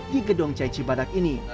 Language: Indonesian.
di gedung cai cibadak ini